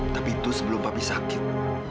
tapi itu sebelum papi sakit